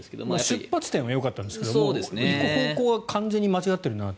出発点はよかったんですけど行く方向は完全に間違っているなと。